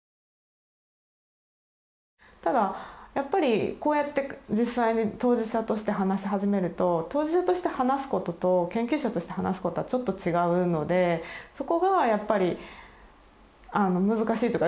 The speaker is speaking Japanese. ただやっぱりこうやって実際に当事者として話し始めると当事者として話すことと研究者として話すことはちょっと違うのでそこがやっぱり難しいというか。